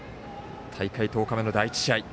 大会１０日目の第１試合。